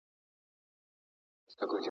هم شهید مقتدي پروت دی هم مُلا په وینو سور دی